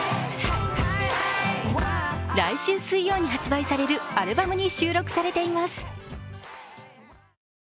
来週水曜に発売されるアルバムに収録されています。